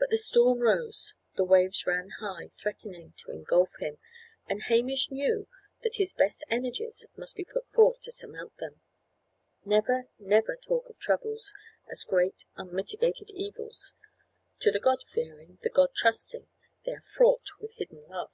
But the storm rose, the waves ran high, threatening to engulf him, and Hamish knew that his best energies must be put forth to surmount them. Never, never talk of troubles as great, unmitigated evils: to the God fearing, the God trusting, they are fraught with hidden love.